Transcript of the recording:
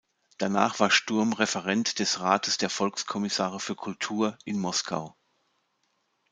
Danach war Sturm Referent des „Rates der Volkskommissare für Kultur“ in Moskau.